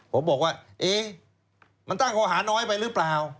ผมบอกว่าเอ๊ะมันตั้งข้อหาน้อยไปหรือเปล่า